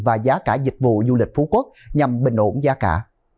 và giá cả dịch vụ du lịch phú quốc nhằm bình ổn giá cả